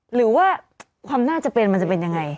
หรือว่าความน่าจะเป็นมันจะเป็นยังไง